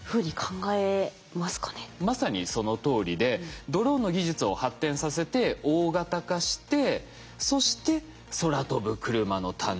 まさにそのとおりでドローンの技術を発展させて大型化してそして空飛ぶクルマの誕生ということなんです。